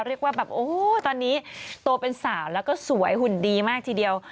เรียกว่าแบบโอ้โหตอนนี้โตเป็นสาวแล้วก็สวยหุ่นดีมากทีเดียว